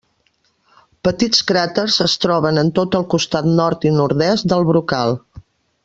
Petits cràters es troben en tot el costat nord i nord-oest del brocal.